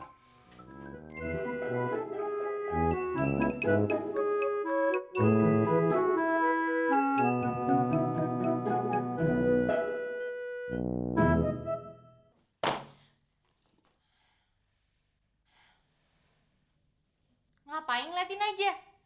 tidak ada yang bisa dikawal